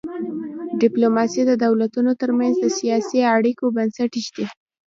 ډیپلوماسي د دولتونو ترمنځ د سیاسي اړیکو بنسټ ایږدي.